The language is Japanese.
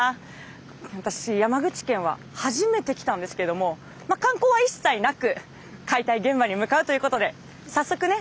私山口県は初めて来たんですけどもまあ観光は一切なく解体現場に向かうということで早速ね